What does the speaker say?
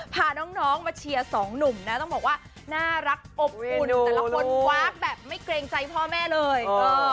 พาน้องมาเชียร์สองหนุ่มนะต้องบอกว่าน่ารักอบอุ่นแต่ละคนวากแบบไม่เกรงใจพ่อแม่เลย